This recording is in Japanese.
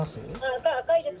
赤い、赤いです。